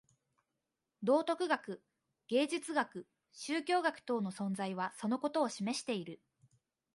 道徳学、芸術学、宗教学等の存在はそのことを示している。